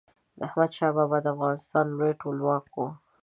احمد شاه بابا د افغانستان لوی ټولواک و.